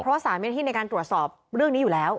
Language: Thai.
เพราะว่าสารมีหน้าที่ในการตรวจสอบเรื่องนี้อยู่แล้ว